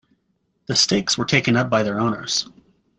The stakes were taken up by their owners.